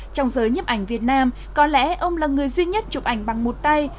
trong giới nhấp ảnh việt nam có lẽ ông là người duy nhất chụp ảnh bằng một tay